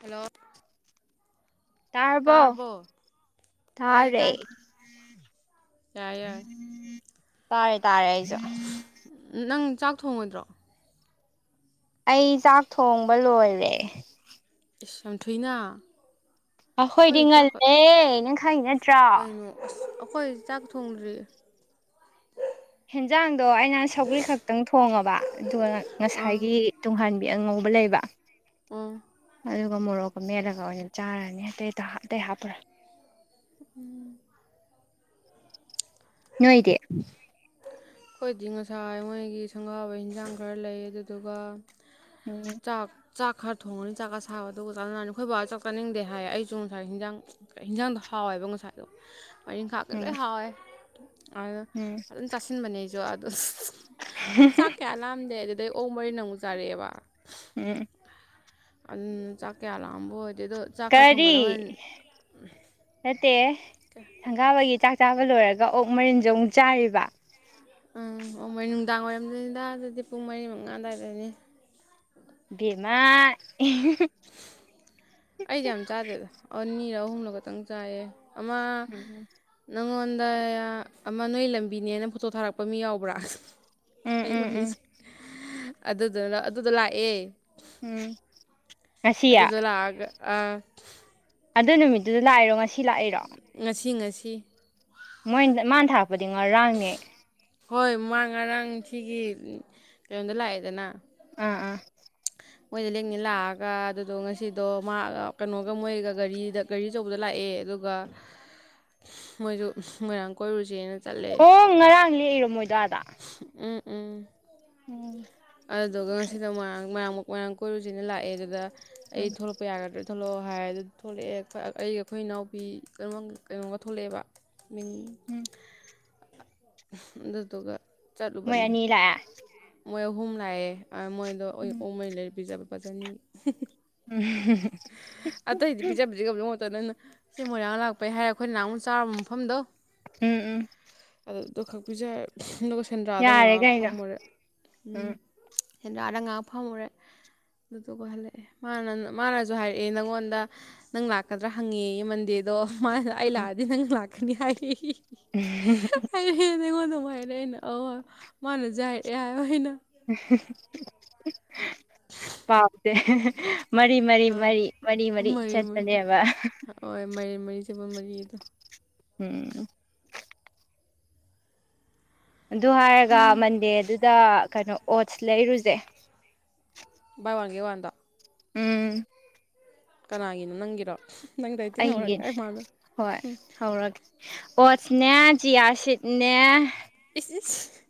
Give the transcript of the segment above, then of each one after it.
hello ꯇꯥꯔꯕꯣ ꯇꯥꯏꯌꯦ ꯇꯥꯔꯦ ꯇꯥꯏ ꯌꯥꯔꯦ ꯌꯥꯔꯦ ꯇꯥꯔꯦ ꯇꯥꯔꯦ ꯑꯩꯖꯨ ꯅꯪ ꯆꯥꯛ ꯊꯣꯡꯉꯣꯏꯗ꯭ꯔꯣ ꯆꯥꯛ ꯑꯩ ꯆꯥꯛ ꯊꯣꯡꯕ ꯂꯣꯏꯔꯦ ꯏꯁ ꯌꯥꯝ ꯊꯨꯏꯅꯥ ꯑꯈꯣꯏꯗꯤ ꯉꯜꯂꯦ ꯅꯪ ꯈꯪꯉꯤ ꯅꯠꯇ꯭ꯔꯥ ꯀꯩꯅꯣ ꯑꯁ ꯑꯩꯈꯣꯏ ꯆꯥꯛ ꯊꯣꯡꯗ꯭ꯔꯤ ꯍꯦꯟꯖꯥꯡꯗꯣ ꯑꯩꯅ ꯁꯧꯒ꯭ꯔꯤ ꯈꯛꯇꯪ ꯊꯣꯡꯉꯕꯥ ꯑꯗꯨꯒ ꯑꯥ ꯉꯁꯥꯏꯒꯤ ꯇꯨꯡꯍꯟ ꯕꯤ ꯑꯉꯧꯕ ꯂꯩꯕ ꯎꯝ ꯑꯗꯨꯒ ꯃꯣꯔꯣꯛꯀ ꯃꯦꯠꯂꯒ ꯑꯣꯏꯅ ꯆꯥꯔꯅꯤ ꯑꯇꯩ ꯗ ꯑꯇꯩ ꯍꯥꯞꯄꯔꯣꯏ [inaudible] ꯅꯣꯏꯗꯤ ꯑꯩꯈꯣꯏꯗꯤ ꯉꯁꯥꯏ ꯃꯣꯏꯒꯤ ꯁꯪꯒꯥꯕꯩ ꯍꯦꯟꯖꯥꯡ ꯈꯔ ꯂꯩ ꯑꯗꯨꯗꯨꯒ ꯎꯝ ꯆꯥꯛ ꯆꯥꯛ ꯈꯔ ꯊꯣꯡꯉꯅꯤ ꯆꯥꯛ ꯑꯁꯥꯕ ꯑꯗꯨꯒ ꯆꯥꯅꯔꯅꯤ ꯑꯩꯈꯣꯏꯕꯥꯖꯨ ꯆꯥꯛ ꯆꯥꯅꯤꯡꯗꯦ ꯍꯥꯏ ꯑꯩꯖꯨ ꯉꯁꯥꯏ ꯍꯤꯟꯖꯥꯡ ꯍꯤꯟꯖꯥꯡꯗꯣ ꯍꯥꯎꯋꯦꯕ ꯉꯁꯥꯏꯗꯣ ꯉꯔꯤꯟꯈꯥꯒ ꯎꯝ ꯂꯣꯏ ꯍꯥꯎꯋꯦ ꯎꯝ ꯐꯖꯅ ꯆꯁꯤ ꯕꯅꯦ ꯑꯩꯖꯨ ꯑꯗꯨ ꯑꯁ ꯆꯥꯛ ꯀꯌꯥ ꯂꯥꯝꯗꯦ ꯑꯗꯨꯗꯩ ꯑꯣꯛ ꯃꯔꯤꯟ ꯑꯃꯨꯛ ꯆꯥꯔꯛꯑꯦꯕꯥ ꯎꯝ ꯑꯗꯨꯗꯨꯅ ꯆꯥꯛ ꯀꯌꯥ ꯂꯥꯝꯕ ꯑꯣꯏ ꯀꯔꯤ ꯅꯠꯇꯦ ꯁꯪꯒꯥꯕꯒꯤ ꯆꯥꯛ ꯆꯥꯕ ꯂꯣꯏꯔꯒ ꯑꯣꯛ ꯃꯔꯤꯟꯖꯨ ꯑꯃꯨꯛ ꯆꯥꯔꯤꯕ ꯎꯝ ꯑꯣꯛ ꯃꯔꯤꯟ ꯅꯨꯡꯗꯥꯡ ꯋꯥꯏꯔꯝꯗꯅꯤꯗ ꯑꯗꯨꯗꯤ ꯄꯨꯡ ꯃꯔꯤ ꯃꯉꯥ ꯑꯗ꯭ꯋꯥꯏꯗꯅꯤ ꯕꯦꯃꯥ ꯑꯍꯤ ꯍꯤ ꯑꯩꯗꯤ ꯌꯥꯝ ꯆꯥꯗꯦꯗ ꯑꯅꯤꯔ ꯑꯍꯨꯝꯂ ꯈꯇꯪ ꯆꯥꯏꯌꯦ ꯑꯃ ꯎꯝ ꯅꯪꯉꯣꯟ ꯗ ꯑꯃ ꯅꯣꯏ ꯂꯝꯕꯤꯅꯦꯅ ꯐꯣꯇꯣ ꯊꯥꯔꯛꯄ ꯃꯤ ꯌꯥꯎꯕ꯭ꯔꯥ ꯎꯝ ꯑꯩ ꯎꯝ ꯎꯝ ꯋꯥꯔꯤꯁꯦ ꯑꯗꯨꯗꯨꯅ ꯑꯗꯨꯗꯣ ꯂꯥꯛꯑꯦ ꯎꯝ ꯉꯁꯤ ꯑꯗꯨꯗꯣ ꯂꯥꯛꯑꯒ ꯑꯥ ꯑꯗꯨ ꯅꯨꯃꯤꯠꯇꯨꯗ ꯂꯥꯛꯏꯔꯣ ꯉꯁꯤ ꯂꯥꯛꯏꯔꯣ ꯏ ꯃꯣꯏ ꯃꯥꯅ ꯊꯥꯔꯛꯄꯗꯤ ꯉꯔꯥꯡꯅꯦ ꯍꯣꯏ ꯃꯥ ꯉꯔꯥꯡ ꯁꯤꯒꯤ ꯀꯩꯅꯣꯗ ꯂꯥꯛꯑꯦꯗꯅ ꯑꯥ ꯑꯥ ꯃꯣꯏꯗ ꯂꯦꯛꯅꯤ ꯂꯥꯛꯑꯒ ꯑꯗꯨꯗꯣ ꯉꯁꯤꯗꯣ ꯃꯥꯒ ꯀꯩꯅꯣꯒ ꯃꯣꯏꯒ ꯒꯥꯔꯤꯗ ꯒꯥꯔꯤ ꯑꯆꯧꯕꯗ ꯂꯥꯛꯑꯦ ꯑꯦ ꯑꯗꯨꯒ ꯃꯣꯏꯖꯨ ꯃꯣꯏꯔꯥꯡ ꯀꯣꯏꯔꯨꯖꯦꯅ ꯑꯣ ꯉꯔꯥꯡ ꯂꯦꯛꯑꯦꯕ ꯃꯣꯏꯗꯣ ꯑꯥꯗꯥ ꯎꯝ ꯎꯝ ꯎꯝ ꯑꯗꯨꯗꯨꯒ ꯉꯁꯤꯅ ꯃꯣꯏꯔꯥꯡ ꯃꯣꯏꯔꯥꯡ ꯃꯣꯏꯔꯥꯡ ꯀꯣꯏꯔꯨꯁꯤꯅ ꯂꯥꯛꯑꯦ ꯑꯗꯨꯗ ꯑꯩ ꯎꯝ ꯊꯣꯛꯂꯛꯄ ꯌꯥꯒꯗ꯭ꯔꯥ ꯊꯣꯛꯂꯛꯑꯣ ꯍꯥꯏꯌꯦ ꯑꯗꯨ ꯊꯣꯛꯂꯛꯑꯦ ꯑꯩꯒ ꯑꯩꯈꯣꯏ ꯏꯅꯥꯎꯄꯤ ꯀꯩꯅꯣ ꯀꯩꯅꯣꯒ ꯊꯣꯛꯂꯛꯑꯦꯕ ꯃꯤꯡ ꯎꯝ ꯑꯗꯨꯗꯨꯒ ꯃꯣꯏ ꯆꯠꯂꯨꯕꯅꯦ ꯑꯅꯤ ꯂꯥꯛꯑꯦ ꯃꯣꯏ ꯑꯍꯨꯝ ꯂꯥꯛꯑꯦ ꯑꯥ ꯃꯣꯏꯗꯣ ꯑꯩꯅ ꯎꯝ ꯑꯣꯛ ꯃꯔꯤꯟ ꯂꯩꯔꯒ ꯄꯤꯖꯕ ꯂꯨꯄꯥ ꯆꯅꯤꯒꯤ ꯎꯝꯍꯨ [unintelligible] ꯑꯗ ꯅꯪꯅ ꯁꯤ ꯃꯣꯏꯔꯥꯡ ꯂꯥꯛꯄꯩ ꯍꯥꯏꯔꯦ ꯑꯩꯈꯣꯏꯅ ꯅꯍꯥꯟꯃꯨꯛ ꯆꯥꯔꯨꯕ ꯃꯐꯝꯗꯣ ꯎꯝ ꯎꯝ ꯗꯣ ꯈꯛ ꯄꯤꯖꯔꯦ ꯑꯗꯨꯒ ꯁꯦꯟꯗ꯭ꯔꯥꯗ ꯌꯥꯔꯦ ꯉꯥꯏꯍꯥꯛ ꯀꯩꯅꯣ ꯐꯝꯃꯨꯔꯦ ꯎꯝ ꯁꯦꯟꯗ꯭ꯔꯥꯗ ꯉꯍꯥꯛ ꯐꯝꯃꯨꯔꯦ ꯑꯗꯨꯗꯨꯒ ꯍꯜꯂꯛꯑꯦ ꯃꯥꯅ ꯃꯥꯅꯁꯨ ꯍꯥꯏꯔꯛꯑꯦ ꯅꯪꯉꯣꯟꯗ ꯅꯪ ꯂꯥꯛꯀꯗ꯭ꯔꯥ ꯍꯪꯉꯦꯌꯦ ꯃꯟꯗꯦꯗꯣ ꯃꯥ ꯑꯩ ꯂꯥꯛꯑꯗꯤ ꯅꯪ ꯂꯥꯛꯀꯅꯤ ꯍꯥꯏꯌꯦ ꯌꯦ ꯎꯝ ꯅꯨꯡꯉꯥꯏꯔꯦ ꯑꯩꯅ ꯑꯧ ꯃꯥꯅ ꯁꯤ ꯍꯥꯏꯔꯛꯑꯦ ꯍꯥꯏꯕ ꯑꯩꯅ ꯄꯥꯎꯗ ꯑꯥ ꯃꯣꯏ ꯃꯣꯏ ꯆꯠꯄꯅꯦꯕ ꯍꯣꯏ ꯃꯥꯏꯔꯦꯟ ꯃꯔꯤ ꯁꯦꯕꯣꯠ ꯃꯔꯤꯗꯣ ꯎꯝ ꯑꯗꯨ ꯍꯥꯏꯔꯒ ꯃꯟꯗꯦꯗꯨꯗ ꯀꯩꯅꯣ ꯑꯣꯠꯁ ꯂꯩꯔꯨꯁꯦ ꯚꯥꯏ ꯋꯥꯟꯒꯦꯠ ꯋꯥꯟꯗꯣ ꯎꯝ ꯀꯅꯥꯒꯤꯅꯣ ꯅꯪꯒꯤꯔꯣ ꯅꯪꯗꯩ ꯑꯩꯒꯤ ꯇꯤꯡꯍꯧꯔꯛꯀꯥꯏ ꯃꯥꯜꯂꯨꯔꯦ ꯍꯣꯏ ꯍꯧꯔꯒꯦ ꯑꯣꯠꯁꯅꯦ ꯆꯤꯌꯥꯁꯤꯠꯅꯦ ꯁꯤꯁ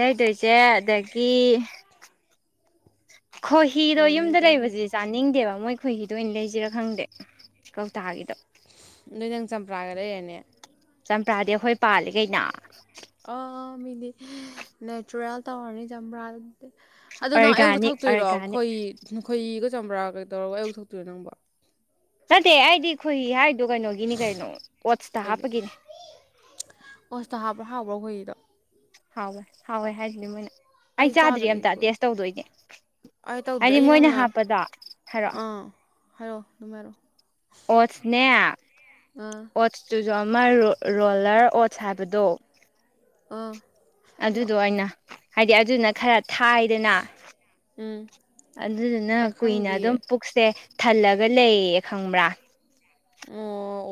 ꯂꯩꯗꯣꯏꯁꯦ ꯑꯗꯒꯤ ꯈꯣꯏꯍꯤꯗꯣ ꯇꯧꯔꯦ ꯌꯨꯝꯗ ꯇꯧꯔꯦ ꯂꯩꯕꯁꯤ ꯆꯥꯅꯤꯡꯗꯦꯕ ꯃꯣꯏ ꯈꯣꯏꯍꯤꯗꯣ ꯑꯣꯏꯅ ꯂꯩꯁꯤꯔꯥ ꯈꯪꯗꯦ ꯀꯧꯇꯥꯒꯤꯗ ꯅꯣꯏ ꯅꯪ ꯆꯝꯄ꯭ꯔꯥꯒ ꯂꯩꯔꯅꯤ ꯆꯝꯄ꯭ꯔꯥꯗꯤ ꯑꯩꯈꯣꯏ ꯄꯥꯜꯂꯤ ꯀꯩꯅꯣ ꯑꯥ ꯃꯤꯗꯤ ꯅꯦꯆꯨꯔꯦꯜ ꯇꯧꯔꯅꯤ ꯆꯃꯄ꯭ꯔꯥ ꯑꯗꯣ ꯅꯪ ꯑꯌꯨꯛꯇ ꯑꯣꯔꯒꯥꯅꯤꯛ ꯊꯛꯇꯣꯏꯔꯣ ꯑꯣꯔꯒꯥꯅꯤꯛ ꯈꯣꯏꯍꯤ ꯈꯣꯏꯍꯤꯒ ꯆꯝꯄ꯭ꯔꯥꯒ ꯇꯧꯔꯒ ꯑꯌꯨꯛ ꯊꯛꯇꯣꯏꯔꯣ ꯅꯪꯕꯣ ꯅꯠꯇꯦ ꯑꯩꯗꯤ ꯈꯣꯏꯍꯤ ꯍꯥꯏ ꯑꯗꯨ ꯀꯩꯅꯣꯒꯤꯅꯤ ꯀꯩꯅꯣ ꯑꯣꯠꯁꯇ ꯑꯩꯒꯤ ꯍꯥꯞꯄꯒꯤꯅꯦ ꯍꯥꯎꯕ꯭ꯔꯣ ꯈꯣꯏꯍꯤꯗꯣ ꯍꯥꯎꯋꯦ ꯍꯥꯎꯋꯦ ꯍꯥꯏꯁꯤꯅꯦ ꯃꯣꯏꯅ ꯑꯩ ꯆꯥꯗ꯭ꯔꯤ ꯑꯝꯇ ꯇꯦꯁ ꯇꯧꯗꯣꯏꯅꯦ ꯑꯩ ꯇꯧꯗ꯭ꯔꯤ ꯍꯥꯏꯗꯤ ꯑꯩ ꯃꯣꯏꯅ ꯅꯪꯅ ꯍꯥꯞꯄꯗꯣ ꯍꯥꯏꯔꯛꯑꯣ ꯑꯥ ꯍꯥꯏꯔꯛꯑꯣ ꯑꯗꯨꯝ ꯍꯥꯏꯔꯛꯑꯣ ꯑꯣꯠꯁꯅꯦ ꯑꯥ ꯑꯣꯠꯁꯇꯨ ꯨꯖꯨ ꯑꯃ ꯔꯣꯂꯔ ꯑꯣꯠꯁ ꯍꯥꯏꯕꯗꯣ ꯑꯥ ꯑꯗꯨꯗꯣ ꯍꯥꯏꯔꯛꯑꯣ ꯑꯣꯏꯅ ꯍꯥꯏꯗꯤ ꯑꯗꯨꯅ ꯈꯔ ꯊꯥꯏꯗꯅ ꯎꯝ ꯑꯗꯨꯗꯨꯅ ꯀꯔ ꯀꯨꯏꯅ ꯈꯪꯗꯤꯌꯦ ꯑꯗꯨꯝ ꯄꯨꯛꯁꯦ ꯊꯜꯂꯒ ꯂꯩꯌꯦ ꯈꯪꯕ꯭ꯔꯥ ꯑꯣ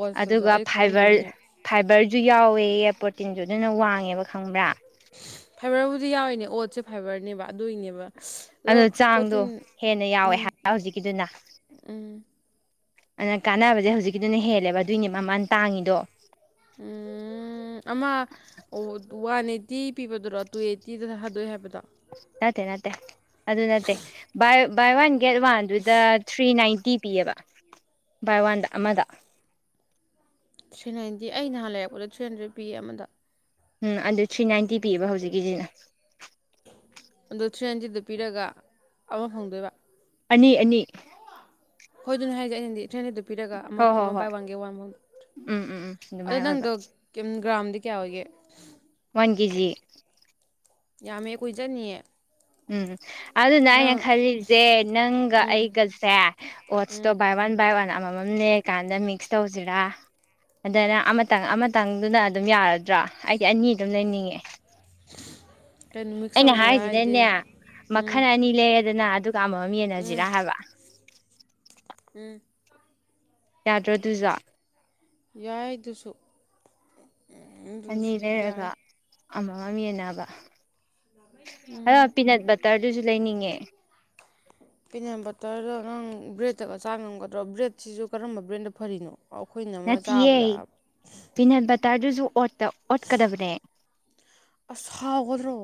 ꯑꯣꯠꯁꯇꯁꯨ ꯑꯗꯨꯒ ꯑꯩ ꯈꯪꯗꯦꯅꯦ ꯐꯥꯏꯕꯔ ꯐꯥꯏꯕꯔꯁꯨ ꯌꯥꯎꯋꯦ ꯄ꯭ꯔꯣꯇꯤꯟꯁꯨ ꯑꯗꯨꯅ ꯋꯥꯡꯉꯦꯕ ꯈꯪꯕ꯭ꯔꯥ ꯐꯥꯏꯕꯔꯕꯨꯗꯤ ꯌꯥꯎꯋꯤꯅꯦ ꯑꯣꯠꯁꯦ ꯐꯥꯏꯕꯔꯅꯦꯕ ꯑꯗꯨꯏꯒꯤꯅꯦꯕ ꯑꯗꯣ ꯆꯥꯡꯗꯣ ꯍꯦꯟꯅ ꯌꯥꯎꯋꯦ ꯎꯝ ꯍꯥꯏ ꯍꯧꯖꯤꯛꯀꯤꯗꯨꯅ ꯎꯝ ꯑꯗꯨꯅ ꯀꯥꯟꯅꯕꯁꯦ ꯍꯧꯖꯤꯛꯀꯤꯗꯨꯅ ꯍꯦꯜꯂꯦꯕ ꯑꯗꯨꯏꯅꯦ ꯃꯃꯜ ꯇꯥꯡꯉꯤꯗꯣ ꯎꯝ ꯑꯃ ꯋꯥꯟ ꯑꯠ ꯇꯤ ꯄꯤꯕꯗꯨꯔꯣ ꯇꯨꯑꯦꯠꯇꯤꯗ ꯊꯗꯣꯛꯑꯦ ꯍꯥꯏꯕꯗꯣ ꯅꯠꯇꯦ ꯅꯠꯇꯦ ꯑꯗꯨ ꯑꯗꯨ ꯅꯠꯇꯦ ꯕꯥꯢ ꯕꯥꯢ ꯋꯥꯟ ꯒꯦꯠ ꯋꯥꯟꯗꯨꯗ ꯊ꯭ꯔꯤ ꯅꯥꯏꯟꯇꯤ ꯄꯤꯑꯕ ꯕꯥꯏ ꯋꯥꯟꯗ ꯑꯃꯗ ꯊ꯭ꯔꯤ ꯅꯥꯏꯟꯇꯤ ꯑꯩ ꯅꯍꯥꯟ ꯂꯩꯔꯛꯄꯗ ꯊ꯭ꯔꯤ ꯍꯟꯗ꯭ꯔꯦꯠ ꯄꯤ ꯑꯃꯗ ꯎꯝ ꯑꯗꯨ ꯊ꯭ꯔꯤ ꯅꯥꯏꯟꯇꯤ ꯄꯤꯌꯦꯕ ꯍꯧꯖꯤꯛꯀꯤꯁꯤꯅ ꯑꯗꯣ ꯊ꯭ꯔꯤ ꯍꯟꯗꯔꯤꯠꯇ ꯄꯤꯔꯒ ꯑꯃ ꯐꯪꯗꯣꯏꯕ ꯑꯅꯤ ꯑꯅꯤ ꯍꯣꯏ ꯑꯗꯨꯅꯦ ꯍꯥꯏꯖꯦ ꯑꯩꯅꯗꯤ ꯊꯔꯤ ꯍꯟꯗꯠꯇ ꯄꯤꯔꯒ ꯑꯃ ꯍꯣꯏ ꯍꯣꯏ ꯑꯃ ꯍꯣꯏ ꯕꯥꯏ ꯋꯥꯟ ꯒꯦꯠꯋꯥꯟ ꯐꯥꯎ ꯎꯝ ꯎꯝ ꯎꯝ ꯑꯗꯣ ꯑꯗꯨꯃꯥꯏꯅ ꯑꯣꯏꯕ ꯅꯪꯗꯣ ꯭ꯔꯥꯝꯗꯤ ꯀꯌꯥ ꯑꯣꯏꯒꯦ ꯋꯥꯟ ꯀꯦꯖꯤ ꯌꯥꯝꯃꯦ ꯀꯨꯏꯖꯠꯅꯤꯌꯦ ꯎꯝ ꯑꯗꯨꯅ ꯑꯩꯅ ꯈꯜꯂꯤꯁꯦ ꯅꯪꯒ ꯎꯝ ꯑꯩꯒꯁꯦ ꯑꯣꯠꯁꯇꯣ ꯎꯝ ꯕꯥꯏ ꯋꯥꯟ ꯕꯥꯏ ꯋꯥꯟ ꯑꯃꯃꯝ ꯅꯦꯛꯔꯀꯥꯟꯗ ꯃꯤꯛꯁ ꯇꯧꯁꯤꯔꯥ ꯑꯗꯨꯅ ꯑꯃꯇꯪ ꯑꯃꯇꯪꯗꯨꯅ ꯑꯗꯨꯝ ꯌꯥꯔꯗ꯭ꯔꯥ ꯑꯩꯗꯤ ꯑꯅꯤ ꯑꯗꯨꯝ ꯂꯩꯅꯤꯡꯉꯦ ꯀꯩꯅꯣ ꯃꯤꯛꯁ ꯑꯩꯅ ꯇꯧꯁꯤꯔꯥ ꯍꯥꯏꯔꯤꯁꯤꯗꯩꯅꯦ ꯍꯥꯏꯗꯤ ꯃꯈꯜ ꯎꯝ ꯑꯅꯤ ꯂꯩꯔꯦꯗꯅ ꯑꯗꯨꯒ ꯑꯃꯃꯝ ꯎꯝ ꯌꯦꯟꯅꯁꯤꯔꯥ ꯍꯥꯏꯕ ꯎꯝ ꯌꯥꯗ꯭ꯔꯣꯗꯨꯖꯥ ꯌꯥꯏꯗꯨꯁꯨ ꯑꯅꯤ ꯂꯩꯔꯒ ꯑꯃꯃꯝ ꯌꯦꯟꯅꯕ ꯑꯥ ꯎꯝ ꯄꯤꯅꯠ ꯕꯇꯔꯗꯨꯁꯨ ꯂꯩꯅꯤꯡꯉꯦ [unintelligible] ꯄꯤꯅꯠ ꯕꯇꯔꯗꯣ ꯅꯥꯡ ꯕ꯭ꯔꯦꯗꯠꯇꯒ ꯆꯥ ꯉꯝꯒꯗ꯭ꯔꯣ ꯕ꯭ꯔꯦꯗꯁꯤꯁꯨ ꯀꯔꯝꯕ ꯕ꯭ꯔꯦꯟꯗ ꯐꯔꯤꯅꯣ ꯑꯩꯈꯣꯏꯅ ꯑꯃ ꯅꯠꯇꯌꯦ ꯆꯥꯕꯗ ꯄꯤꯅꯠ ꯕꯇꯔꯗꯨꯁꯨ ꯑꯣꯠꯇ ꯑꯣꯠꯀꯗꯕꯅꯦ ꯑꯁ ꯍꯥꯎꯒꯗꯔꯣ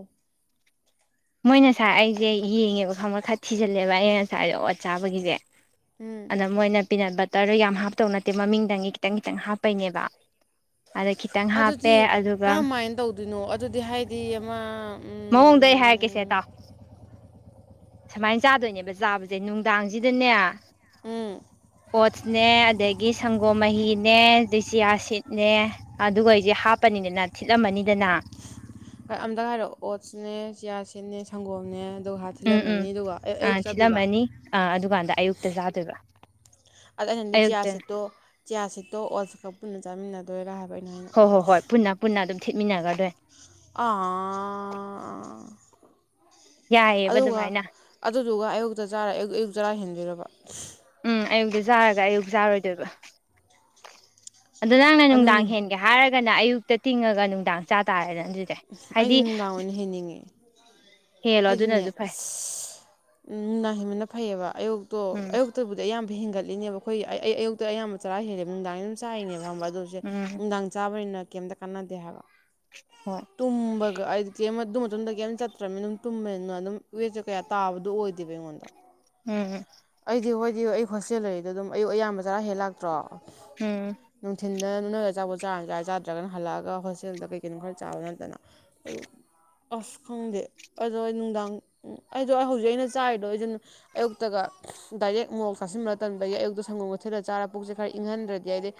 ꯃꯣꯏ ꯉꯁꯥꯏ ꯑꯩꯁꯦ ꯌꯦꯡꯉꯦꯕ ꯈꯪꯕ ꯈꯔ ꯊꯤꯖꯤꯜꯂꯦꯕ ꯑꯩꯅ ꯉꯁꯥꯏꯗꯦ ꯑꯣꯠ ꯆꯥꯕꯒꯤꯁꯦ ꯎꯝ ꯑꯗ ꯃꯣꯏꯅ ꯄꯤꯅꯠ ꯕꯇꯔ ꯇꯔ ꯌꯥꯝ ꯍꯥꯞꯇꯧ ꯅꯠꯇꯦ ꯃꯃꯤꯡꯗꯪꯒꯤ ꯈꯤꯇꯪ ꯈꯤꯇꯪ ꯍꯥꯞꯄꯩꯅꯦꯕ ꯑꯗ ꯈꯤꯇꯪ ꯑꯗꯨꯗꯤ ꯍꯥꯞꯄꯦ ꯑꯗꯨꯒ ꯀꯔꯝ ꯃꯥꯢꯏꯅ ꯇꯧꯗꯣꯏꯅꯣ ꯑꯗꯨꯗꯤ ꯍꯥꯏꯗꯤ ꯑꯃ ꯃꯑꯣꯡꯗ ꯍꯥꯏꯔꯛꯀꯦꯁꯦ ꯎꯝ ꯇꯥꯎ ꯁꯨꯃꯥꯏꯅ ꯆꯥꯗꯣꯏꯅꯦꯕ ꯆꯥꯕꯁꯦ ꯅꯨꯡꯗꯥꯡꯁꯤꯗ ꯎꯝ ꯑꯣꯠ ꯅꯦ ꯑꯗꯒꯤ ꯁꯪꯒꯣꯝ ꯃꯍꯤꯅꯦ ꯑꯗꯩ ꯆꯤꯌꯥꯁꯤꯠꯅꯦ ꯑꯗꯨꯒꯩ ꯁꯦ ꯍꯥꯞꯄꯅꯤꯅꯅꯦ ꯊꯤꯠꯂꯝꯃꯅꯤ ꯑꯃꯇ ꯍꯥꯏꯔꯛꯑꯣ ꯑꯣꯠꯁꯅꯦ ꯆꯤꯔꯥꯁꯤꯠꯅꯦ ꯁꯪꯒꯣꯝꯅꯦ ꯑꯗꯨꯒ ꯍꯥ ꯎꯝ ꯎꯝ ꯊꯤꯜꯂꯝꯃꯅꯤ ꯑꯗꯨꯒ ꯑ ꯑꯌꯨꯛ ꯑꯥ ꯆꯗꯣꯏꯕ ꯊꯤꯠꯂꯝꯃꯅꯤ ꯑꯥ ꯑꯗꯨꯀꯥꯟꯗ ꯑꯌꯨꯛꯇ ꯆꯥꯗꯣꯏꯕ ꯑꯗ ꯑꯩꯩꯅꯗꯤ ꯆꯤꯌꯥꯔ ꯑꯌꯨꯛꯇꯅ ꯁꯤꯠꯇꯣ ꯆꯤꯌꯥꯔ ꯁꯤꯠꯇꯣ ꯑꯣꯁꯀ ꯄꯨꯟꯅ ꯆꯥꯃꯤꯟꯅꯗꯣꯏꯔꯥ ꯍꯥꯏꯕ ꯑꯩꯅ ꯍꯥꯏꯅ ꯍꯣꯏ ꯍꯣꯏ ꯍꯣꯏ ꯄꯨꯟꯅ ꯄꯨꯟꯅ ꯑꯗꯨꯝ ꯊꯦꯠꯃꯤꯟꯅꯒꯗꯣꯏ ꯑꯥ ꯌꯥꯏꯌꯦꯕ ꯑꯗꯨꯒ ꯑꯗꯨꯃꯥꯏꯅ ꯑꯗꯨꯗꯨꯒ ꯑꯌꯨꯛꯇ ꯑꯌꯨꯛꯇ ꯆꯔꯥ ꯍꯦꯟꯗꯣꯢꯔꯕ ꯎ ꯑꯌꯨꯛꯇ ꯆꯥꯔꯒ ꯑꯌꯨꯛ ꯆꯥꯔꯣꯏꯗꯣꯏꯕ ꯑꯗꯣ ꯅꯪꯅ ꯅꯨꯡꯗꯥꯡ ꯑꯅꯨꯡ ꯍꯦꯟꯒꯦ ꯍꯥꯏꯔꯒꯅ ꯑꯌꯨꯛꯇ ꯇꯤꯡꯉꯒ ꯅꯨꯡꯗꯥꯡ ꯆꯥ ꯇꯥꯔꯦꯅ ꯑꯗꯨꯗꯤ ꯑꯩꯗꯤ ꯍꯥꯏꯗꯤ ꯅꯨꯡꯗꯥꯡ ꯑꯣꯏꯅ ꯍꯩꯅꯤꯡꯉꯦ ꯍꯦꯜꯂꯣ ꯍꯥꯏꯗꯤꯅꯦ ꯑꯗꯨꯅꯁꯨ ꯐꯩ ꯎꯝ ꯅꯨꯡꯗꯥꯡ ꯍꯟꯕꯟꯅ ꯐꯩꯌꯦꯕ ꯑꯌꯨꯛꯇꯣ ꯎꯝ ꯑꯌꯨꯛꯇꯕꯨꯗꯤ ꯑꯌꯥꯝꯕ ꯍꯦꯟꯒꯠꯂꯤꯅꯦꯕ ꯑꯩꯈꯣꯏꯒꯤ ꯑꯩ ꯑꯌꯨꯛꯇ ꯑꯌꯥꯝꯕ ꯆꯔꯥ ꯍꯦꯜꯂꯦꯕ ꯅꯨꯡꯗꯥꯡ ꯆꯥꯏꯔꯤꯅꯦꯕ ꯈꯪꯕ ꯑꯗꯨꯁꯦ ꯎꯝ ꯅꯨꯡꯗꯥꯡ ꯆꯥꯕꯅꯤꯅ ꯀꯩꯝꯇ ꯀꯥꯟꯅꯗꯦ ꯍꯥꯏꯕ ꯍꯣꯏ ꯇꯨꯝꯕꯒ ꯍꯥꯏꯗꯤ ꯀꯩ ꯑꯗꯨ ꯃꯇꯨꯡꯗ ꯀꯩꯝ ꯆꯠꯇ꯭ꯔꯕꯅꯤꯅ ꯑꯗꯨꯝ ꯇꯨꯝꯕꯅꯤꯅ ꯑꯗꯨꯝ ꯋꯦꯠꯁꯨ ꯀꯌꯥ ꯇꯥꯕꯗꯣ ꯑꯣꯏꯗꯦꯕ ꯉꯣꯟꯗ ꯎꯝ ꯖꯤ ꯍꯣꯏꯗꯤ ꯑꯩ ꯍꯣꯁꯇꯦꯜ ꯂꯩꯔꯤꯗꯣ ꯑꯗꯨꯝ ꯑꯌꯨꯛ ꯑꯌꯥꯝꯕ ꯆꯔꯥ ꯍꯦꯜ ꯂꯥꯛꯇ꯭ꯔꯣ ꯎꯝ ꯅ ꯅꯣꯏꯒ ꯑꯆꯥꯄꯣꯠ ꯆꯥꯔ ꯆꯥꯢ ꯆꯥꯗ꯭ꯔꯒꯅ ꯍꯜꯂꯛꯑꯒ ꯍꯣꯁꯇꯦꯜꯗ ꯀꯩ ꯀꯩꯅꯣ ꯈꯔ ꯆꯥꯕ ꯅꯠꯇꯅ ꯑꯗꯨ ꯑꯁ ꯈꯪꯗꯦ ꯑꯗꯣ ꯑꯩ ꯅꯨꯡꯗꯥꯡ ꯑꯗꯣ ꯍꯧꯖꯤꯛ ꯑꯩꯅ ꯆꯥꯔꯤꯗꯣ ꯑꯩꯁꯨ ꯑꯌꯨꯛꯇꯒ ꯗꯥꯏꯔꯦꯛ ꯃꯣꯔꯣꯛ ꯆꯥꯁꯤꯟꯕ ꯇꯟꯕꯒꯤ ꯑꯌꯨꯛꯇꯣ ꯁꯪꯒꯣꯝ ꯊꯤꯠꯂ ꯆꯥꯔ ꯄꯨꯛꯁꯦ ꯈꯔ ꯏꯪꯍꯟꯗ꯭ꯔꯗꯤ ꯑꯩꯗꯤ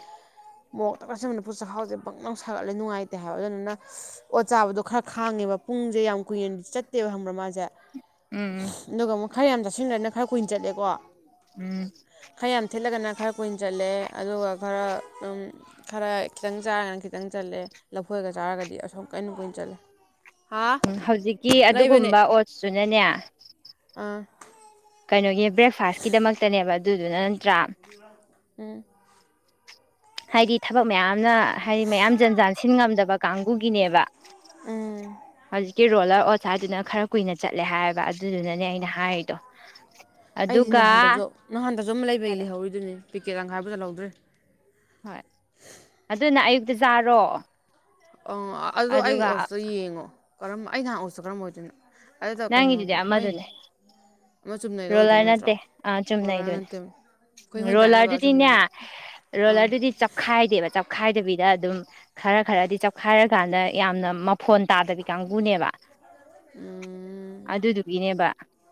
ꯃꯣꯔꯣꯛ ꯇꯛ ꯆꯥꯁꯤꯟꯕꯗ ꯄꯨꯛ ꯆꯥꯛꯈꯥꯎꯁꯦ ꯕꯪꯂꯥꯎ ꯁꯥꯒꯠꯂꯦ ꯅꯨꯡꯉꯥꯏꯇꯦ ꯍꯥꯏꯕ ꯑꯗꯨꯗꯨꯅ ꯑꯣꯠ ꯆꯥꯕꯗꯣ ꯈꯔ ꯈꯥꯡꯉꯦꯕ ꯄꯨꯡꯁꯦ ꯌꯥꯝ ꯀꯨꯏꯅꯗꯤ ꯆꯠꯇꯦꯕ ꯈꯪꯕ꯭ꯔꯥ ꯃꯥꯁꯦ ꯎꯝ ꯎꯝ ꯑꯗꯨꯒ ꯑꯃꯨꯛ ꯈꯔ ꯌꯥꯝ ꯆꯥꯁꯤꯟꯕꯅ ꯈꯔ ꯀꯨꯏꯅ ꯆꯠꯂꯦꯀꯣ ꯎꯝ ꯈꯔ ꯌꯥꯝ ꯊꯦꯠꯂꯒꯅ ꯈꯔ ꯀꯨꯏꯅ ꯆꯠꯂꯦ ꯑꯗꯨꯒ ꯈꯔ ꯑꯗꯨꯝ ꯈꯔ ꯈꯤꯇꯪ ꯆꯥꯔꯒꯅ ꯈꯤꯇꯪ ꯆꯠꯂꯦ ꯂꯐꯨ ꯢꯒ ꯆꯥꯔꯒꯗꯤ ꯑꯁꯣꯝ ꯀꯩꯅꯣ ꯀꯨꯏꯅ ꯆꯠꯂꯦ ꯍꯥ ꯎꯝ ꯍꯧꯖꯤꯛꯀꯤ ꯂꯩꯕꯅꯦ ꯑꯗꯨꯒꯨꯝꯕ ꯑꯣꯠꯁꯇꯨꯅꯅꯦ ꯑꯥ ꯀꯩꯅꯣꯒꯤ ꯕ꯭ꯔꯦꯛꯐꯥꯁꯀꯤꯗꯃꯛꯇꯅꯦꯕ ꯑꯗꯨꯗꯨꯅ ꯅꯠꯇ꯭ꯔꯥ ꯎꯝ ꯍꯥꯏꯗꯤ ꯊꯕꯛ ꯃꯌꯥꯝꯅ ꯍꯥꯏꯗꯤ ꯃꯌꯥꯝ ꯖꯟ ꯖꯥꯟ ꯁꯤꯟ ꯉꯝꯗꯕ ꯀꯥꯡꯕꯨꯒꯤꯅꯦꯕ ꯑꯖꯤ ꯀꯤ ꯔꯣꯂꯔ ꯑꯣꯠꯁ ꯍꯥꯏꯗꯨꯅ ꯈꯔ ꯀꯨꯏꯅ ꯆꯠꯂꯦ ꯍꯥꯏꯌꯦꯕ ꯑꯗꯨꯗꯨꯅꯅꯦ ꯑꯩꯅ ꯍꯥꯏꯔꯤꯗꯣ ꯑꯩꯗꯤ ꯑꯗꯨꯒ ꯅꯍꯥꯟꯗꯁꯨ ꯅꯍꯥꯟꯗꯁꯨ ꯑꯃ ꯂꯩꯕꯩ ꯂꯩꯍꯧꯔꯤꯗꯨꯅꯦ ꯄꯦꯀꯦꯠ ꯂꯪꯀꯥꯏꯕ ꯌꯣꯜꯍꯧꯗ꯭ꯔꯦ ꯍꯣꯏ ꯑꯗꯨꯅ ꯑꯌꯨꯛꯇ ꯆꯥꯔꯣ ꯑꯣ ꯑꯗꯨ ꯑꯩꯒꯤ ꯑꯗꯨꯒ ꯑꯣꯠꯁꯇꯣ ꯌꯦꯡꯉꯣ ꯀꯔꯝꯕ ꯑꯩ ꯅꯍꯥꯟ ꯑꯣꯠꯁꯇꯣ ꯀꯔꯝꯕ ꯑꯣꯏꯗꯣꯏꯅꯣ ꯑꯗꯨꯗꯣ ꯅꯪꯒꯤꯗꯨꯗꯤ ꯀꯩꯅꯣꯒꯤ ꯃꯣꯏ ꯑꯃꯗꯨꯅꯦ ꯃ ꯆꯨꯝꯅꯩꯗꯣ ꯑꯣꯏꯗꯣꯏ ꯔꯣꯂꯔ ꯅꯠꯇ꯭ꯔꯣ ꯅꯠꯇꯦ ꯑꯥ ꯔꯣꯂꯔ ꯆꯨꯝꯅꯩꯗꯨꯅꯦ ꯅꯠꯇꯦ ꯍꯣꯏꯅ ꯆꯥꯅꯕ ꯔꯣꯂꯔꯗꯨꯗꯤꯅꯦ ꯆꯨꯝꯅꯒꯤ ꯑꯥ ꯔꯣꯂꯔꯗꯨꯗꯤ ꯆꯞꯈꯥꯏꯗꯦꯕ ꯆꯞꯈꯥꯏꯗꯕꯤꯗ ꯈ ꯑꯗꯨꯝ ꯈꯔ ꯈꯔꯗꯤ ꯆꯞꯈꯥꯔꯀꯥꯟꯗ ꯌꯥꯝꯅ ꯃꯐꯣꯟ ꯇꯥꯗꯕꯤ ꯀꯥꯡꯕꯨꯅꯦꯕ ꯎꯝ ꯑꯗꯨꯗꯨꯒꯤꯅꯦꯕ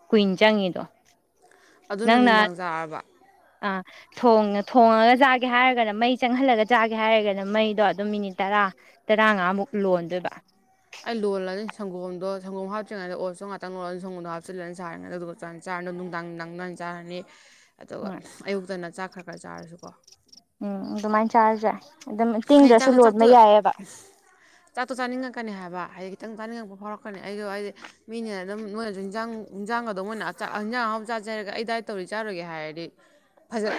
ꯀꯨꯏꯟ ꯆꯪꯉꯤꯗꯣ ꯑꯗꯨꯅ ꯅꯪꯅ ꯅꯨꯡꯗꯥꯡ ꯆꯥꯔꯕ ꯑꯥ ꯊꯣꯡ ꯊꯣꯡꯉꯒ ꯆꯥꯒꯦ ꯍꯥꯏꯔꯒꯅ ꯃꯩ ꯆꯪꯍꯜꯂꯒ ꯆꯥꯒꯦ ꯍꯥꯏꯔꯒꯅ ꯃꯩꯗꯣ ꯑꯗꯨꯝ ꯃꯤꯅꯤꯠ ꯇꯔꯥ ꯇꯔꯥꯉꯥꯃꯨꯛ ꯂꯣꯟꯗꯣꯏꯕ ꯑꯩ ꯂꯣꯜꯂꯅꯤ ꯁꯪꯒꯣꯝꯗꯣꯝꯗꯣ ꯁꯪꯒꯣꯝ ꯍꯥꯞꯇ꯭ꯔꯤꯉꯩꯗ ꯑꯣꯠꯁꯇꯣ ꯉꯥꯛꯇꯪ ꯂꯣꯜꯂꯅꯤ ꯁꯪꯒꯣꯝ ꯍꯥꯞꯆꯤꯜꯂꯅ ꯁꯥꯔꯤꯉꯩꯗ ꯑꯗꯨꯗꯨꯒ ꯆꯅ ꯆꯥꯔ ꯑꯗꯣ ꯅꯨꯡꯗꯥꯡ ꯅꯨꯡꯗꯥꯡꯗꯣ ꯍꯥꯟ ꯆꯥꯔꯅꯤ ꯑꯗꯨꯒ ꯎꯝ ꯑꯌꯨꯛꯇꯅ ꯆꯥꯛ ꯈꯔ ꯈꯔ ꯆꯥꯔꯁꯨꯀꯣ ꯎꯝ ꯑꯗꯨꯃꯥꯏꯅ ꯆꯥꯔꯁꯨ ꯗꯥꯢ ꯑꯗꯨꯝ ꯍꯥꯏꯗꯤ ꯇꯤꯡꯗ꯭ꯔꯁꯨ ꯆꯥꯛꯇꯣ ꯆꯥꯛꯇꯣ ꯂꯣꯟꯕ ꯌꯥꯏꯑꯕ ꯀꯅꯤ ꯍꯥꯏꯕ ꯍꯥꯢꯗꯤ ꯈꯤꯇꯪ ꯆꯥꯅꯤꯡꯉꯛꯄ ꯐꯥꯎꯔꯛꯀꯅꯤ ꯑꯩꯗꯣ ꯍꯥꯏꯗꯤ ꯃꯤꯅ ꯑꯗꯨꯝ ꯃꯣꯏꯅꯁꯨ ꯌꯦꯟꯖꯥꯡ ꯍꯟꯖꯥꯡꯒꯗꯣ ꯃꯣꯏꯅ ꯥꯆꯥꯛ ꯍꯦꯟꯖꯥꯡ ꯑꯍꯥꯎꯕ ꯆꯥꯖꯦ ꯍꯥꯢꯔꯒ ꯑꯩ ꯗꯥꯏꯠ ꯇꯧꯔꯤ ꯆꯥꯔꯣꯢꯒꯦ ꯍꯥꯏꯔꯗꯤ ꯐꯖ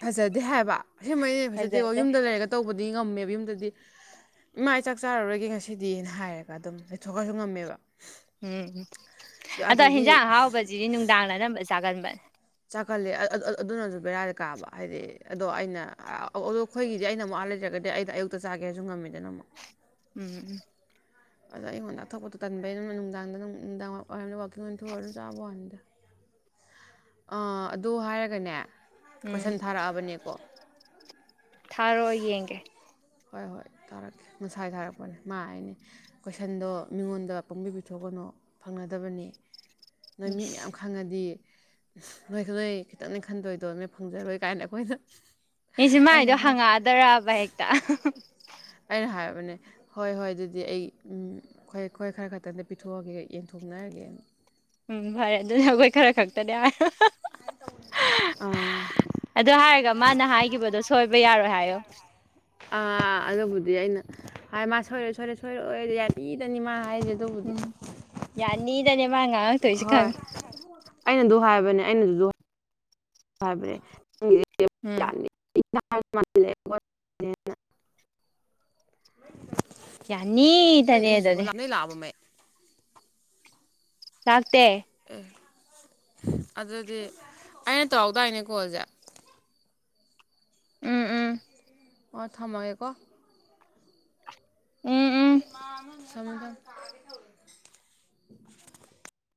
ꯐꯖꯗꯦ ꯍꯥꯏꯕ ꯑꯁꯦꯡꯕꯩꯅꯦ ꯐꯖꯗꯦꯉꯣ ꯍꯥꯢꯕ ꯐꯖꯗꯦ ꯌꯨꯝꯗ ꯂꯩꯔꯒ ꯇꯧꯕꯗꯤ ꯉꯝꯃꯦꯕ ꯌꯨꯝꯗꯗꯤ ꯏꯃꯥ ꯑꯩ ꯄꯆꯥꯛ ꯆꯥꯔꯔꯣꯏꯒꯦ ꯉꯁꯤꯗꯤꯅ ꯍꯥꯏꯔꯒ ꯑꯗꯨꯝ ꯂꯩꯊꯣꯛꯈ꯭ꯔꯁꯨ ꯉꯝꯃꯦꯕ ꯎꯝ ꯑꯗꯣ ꯑꯗꯗꯤ ꯍꯤꯟꯖꯥꯡ ꯑꯍꯥꯎꯕꯁꯤꯗꯤ ꯅꯨꯡꯗꯥꯡꯅ ꯑꯅꯝꯕ ꯆꯥꯒꯟꯕꯅꯦ ꯆꯥꯛꯒꯜꯂꯦ ꯑ ꯑ ꯑꯗꯨꯅꯁꯨ ꯕꯦꯔꯥꯗꯤ ꯀꯥꯕ ꯍꯥꯏꯗꯤ ꯑꯗꯣ ꯑꯩꯅ ꯑ ꯑ ꯑꯩꯈꯣꯏꯒꯤꯗꯤ ꯑꯩꯅꯃꯨꯛ ꯑꯥ ꯂꯩꯖ꯭ꯔꯒꯗꯤ ꯑꯩꯗꯣ ꯑꯌꯨꯛꯇ ꯆꯥꯒꯦ ꯍꯥꯏꯁꯨ ꯉꯝꯃꯤꯗꯅ ꯑꯃꯨꯛ ꯎꯝ ꯎꯝ ꯑꯗꯣ ꯑꯌꯨꯛ ꯉꯟꯇꯥ ꯊꯣꯛꯄꯗꯣ ꯇꯟꯕꯩꯅꯦ ꯅꯨꯡꯗꯥꯡꯗ ꯅꯨꯡꯗꯥꯡ ꯋꯥꯔꯝꯗ ꯋꯥꯛꯀꯤꯡ ꯑꯣꯏꯅ ꯊꯣꯛꯎꯔ ꯑꯗꯨꯝ ꯆꯥꯕ ꯋꯥꯅꯤꯗ ꯑꯥ ꯑꯗꯨ ꯍꯥꯏꯔꯒꯅꯦ ꯎꯝ ꯀꯣꯏꯁꯟ ꯊꯥꯔꯛꯑꯕꯅꯦꯀꯣ ꯊꯥꯔꯣ ꯌꯦꯡꯒꯦ ꯍꯣꯏ ꯍꯣꯏ ꯊꯥꯔꯛꯀꯦ ꯉꯁꯥꯏ ꯊꯥꯔꯛꯄꯅꯦ ꯃꯥ ꯍꯥꯏꯅꯤ ꯀꯣꯏꯁꯟꯗꯣ ꯃꯤꯉꯣꯟꯗ ꯄꯪꯕ ꯄꯤꯊꯣꯛꯀ ꯅꯣ ꯐꯪꯅꯗꯕꯅꯤ ꯅꯣꯏ ꯃꯤ ꯃꯌꯥꯝ ꯃꯤꯁ ꯈꯪꯉꯗꯤ ꯅꯣꯏ ꯅꯣꯏ ꯈꯤꯇꯪꯅꯦ ꯈꯟꯗꯣꯏꯗꯣ ꯅꯣꯢ ꯐꯪꯖꯔꯣꯏ ꯀꯥꯏꯅ ꯑꯩꯈꯣꯏꯗ ꯏꯁ ꯃꯥꯏꯗꯣ ꯍꯪꯉꯛꯑꯗ꯭ꯔꯕ ꯍꯦꯛꯇ ꯍꯥꯏꯔꯕꯅꯦ ꯍꯣꯏ ꯍꯣꯏ ꯑꯗꯨꯗꯤ ꯑꯩ ꯎꯝ ꯈꯣꯏ ꯈꯣꯢ ꯈꯔ ꯈꯛꯇꯪꯗ ꯄꯤꯊꯣꯛꯑꯒꯦ ꯌꯦꯟꯊꯣꯛꯅꯔꯒꯦ [inaudible] ꯎꯝ ꯐꯔꯦ ꯑꯗꯨꯅ ꯑꯩꯈꯣꯏ ꯈꯔ ꯈꯛꯇꯅꯦ ꯍꯥꯏꯔ ꯑꯪ ꯑꯗꯨ ꯍꯥꯏꯔꯒ ꯃꯥꯅ ꯍꯥꯏꯈꯤꯕꯗꯣ ꯁꯣꯏꯕ ꯌꯥꯔꯣꯏ ꯍꯥꯏꯌꯣ ꯑꯥ ꯑꯗꯨꯕꯨꯗꯤ ꯑꯩꯅ ꯍꯥꯏ ꯃꯥ ꯁꯣꯏꯔꯣꯏ ꯁꯣꯏꯔꯣꯢ ꯁꯣꯏꯔꯣꯏ ꯌꯥꯅꯤꯗꯅꯤ ꯃꯥ ꯍꯥꯏꯁꯦ ꯑꯗꯨꯕꯨꯗꯤ ꯎꯝ ꯌꯥꯅꯤꯗꯅꯤ ꯃꯥ ꯉꯥꯡꯛꯇꯣꯏꯁꯤ ꯍꯣꯏ ꯈꯪꯉꯤ ꯑꯩꯅ ꯑꯗꯨ ꯍꯥꯏꯕꯅꯦ ꯑꯩꯅꯁꯨ ꯑꯗꯨ ꯍꯥꯏꯕꯅꯦ ꯍꯣꯏ ꯎꯝ [unintelligible] ꯌꯥꯅꯤ ꯅꯣꯏ ꯇꯅꯦ ꯍꯧꯖꯤꯛꯐꯥꯎ ꯑꯗꯨꯅꯤ ꯂꯥꯛ ꯅꯣꯏ ꯂꯥꯛꯑꯕ ꯃꯩ ꯂꯥꯛꯇꯦ ꯑꯦ ꯑꯗꯨꯗꯤ ꯑꯩꯅ ꯇꯧꯔꯛꯇꯥꯏꯅꯦ ꯀꯣꯜꯁꯦ ꯎꯝ ꯎꯝ ꯑꯣ ꯊꯝꯃꯒꯦꯀꯣ ꯎꯝ ꯎꯝ ꯊꯃꯦ ꯊꯃꯦ